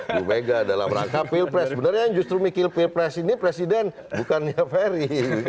bu mega dalam rangka pilpres sebenarnya yang justru mikir pilpres ini presiden bukannya ferry